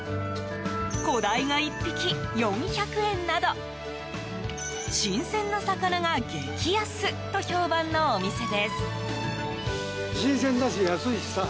小ダイが１匹４００円など新鮮な魚が激安と評判のお店です。